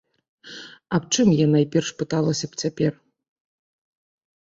Аб чым я найперш пыталася б цяпер?